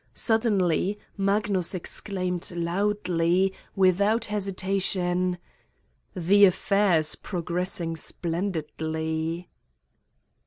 Suddenly, Magnus exclaimed loudly, without hesitation : "The affair is progressing splendidly."